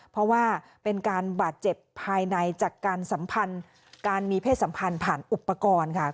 เพราะว่าเป็นการบาดเจ็บภายในจากการสัมพันธ์การมีเพศสัมพันธ์ผ่านอุปกรณ์ค่ะ